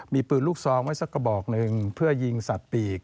มีปืนลูกซองไว้สักกระบอกหนึ่งเพื่อยิงสัตว์ปีก